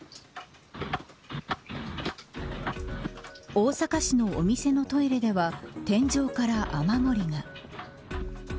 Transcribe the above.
大阪市のお店のトイレでは天井から雨漏りが。